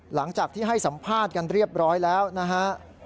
หลังจากที่ให้สัมภาษณ์กันเรียบร้อยแล้วนะฮะ